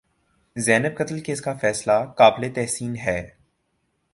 زینب قتل کیس کا فیصلہ قابل تحسین ہے